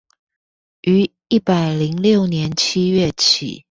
於一百零六年七月起